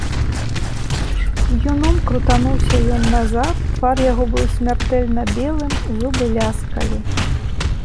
Уюном крутануўся ён назад, твар яго быў смяртэльна белым, зубы ляскалі.